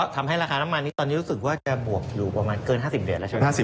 ทำให้ราคาน้ำมันนี้ตอนนี้รู้สึกว่าจะบวกอยู่ประมาณเกิน๕๐เดชแล้วใช่ไหม